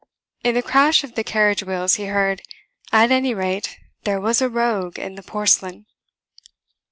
In the crash of the carriage wheels he heard, "At any rate there was a rogue in that porcelain."